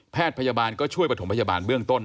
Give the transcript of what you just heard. พยาบาลก็ช่วยประถมพยาบาลเบื้องต้น